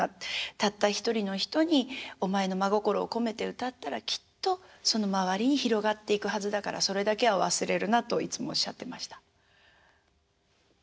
たった１人の人にお前の真心を込めて歌ったらきっとその周りに広がっていくはずだからそれだけは忘れるなといつもおっしゃってました。